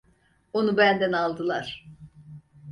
Onu benden aldılar.